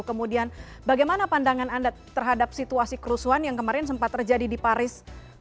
kemudian bagaimana pandangan anda terhadap situasi kerusuhan yang kemarin sempat terjadi di paris